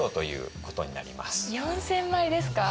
４０００枚ですか。